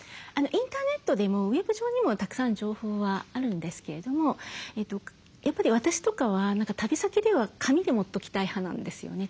インターネットでもウェブ上にもたくさん情報はあるんですけれどもやっぱり私とかは旅先では紙で持っときたい派なんですよね。